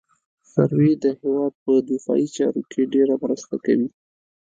سروې د هېواد په دفاعي چارو کې ډېره مرسته کوي